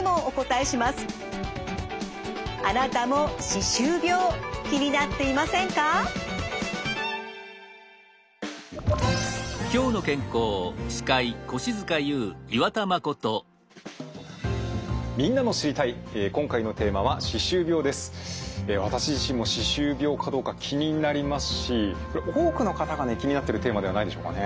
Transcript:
え私自身も歯周病かどうか気になりますしこれ多くの方がね気になっているテーマではないでしょうかね。